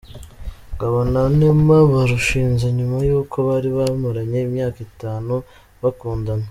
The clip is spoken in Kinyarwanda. Ngabo na Neema, barushinze nyuma y’uko bari bamaranye imyaka itanu bakundana.